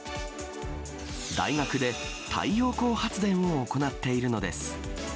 大学で太陽光発電を行っているのです。